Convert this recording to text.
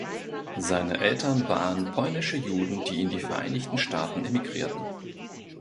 Seine Eltern waren polnische Juden, die in die Vereinigten Staaten emigrierten.